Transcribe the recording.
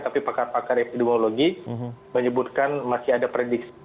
tapi pakar pakar epidemiologi menyebutkan masih ada prediksi